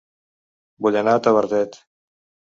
Vull anar a Tavertet